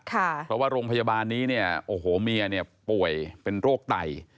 เพราะว่าโรงพยาบาลนี้เนี่ยโอ้โหเมียเนี่ยป่วยเป็นโรคไต